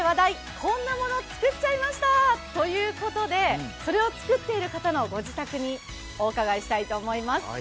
こんなのつくっちゃいました」ということでそれを作っている方のご自宅にお伺いしたいと思います。